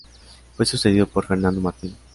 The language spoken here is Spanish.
Fue sucedido por Fernando Martín.